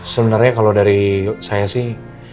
sebenarnya kalau dari saya sih